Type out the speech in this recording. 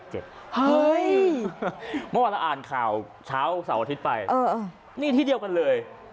เฮ้ยเมื่อวานเราอ่านข่าวเช้าเสาร์อาทิตย์ไปนี่ที่เดียวกันเลย